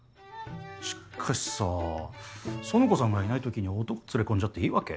しっかしさぁ苑子さんがいないときに男連れ込んじゃっていいわけ？